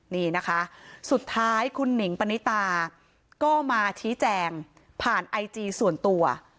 นี่นะคะสุดท้ายคุณหนิงปณิตาก็มาชี้แจงผ่านไอจีส่วนตัว